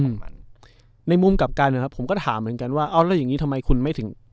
ตรงนั้นในมุมกลับกันนะครับผมก็ถามเหมือนกันว่าเอาแล้วอย่างงี้ทำไมคุณไม่ถึง